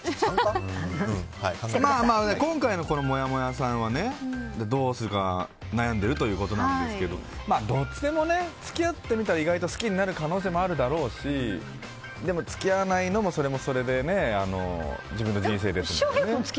今回のもやもやさんはどうするか悩んでるということですけどどっちでも付き合ってみたら意外と好きになる可能性もあるだろうしでも付き合わないのもそれもそれで自分の人生ですしね。